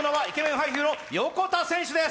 俳優の横田選手です。